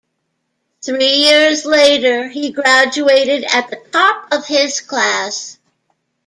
Three years later, he graduated at the top of his class.